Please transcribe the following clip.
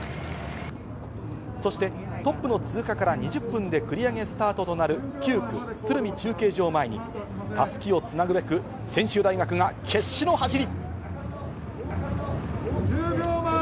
そしてトップの通過から２０分で繰り上げスタートとなる９区、鶴見中継所を前に、たすきをつなぐべく、専修大学が決死の走り。